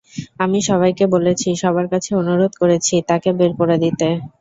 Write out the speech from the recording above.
আমি সবাইকে বলেছি, সবার কাছে অনুরোধ করেছি তাঁকে বের করে দিতে।